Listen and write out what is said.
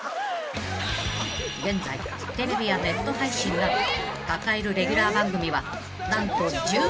［現在テレビやネット配信など抱えるレギュラー番組は何と１７本］